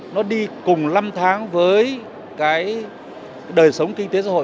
nó đi cùng năm tháng với cái đời sống kinh tế xã hội